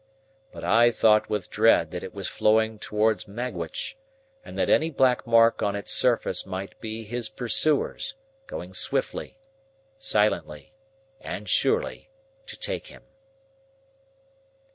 But I thought with dread that it was flowing towards Magwitch, and that any black mark on its surface might be his pursuers, going swiftly, silently, and surely, to take him.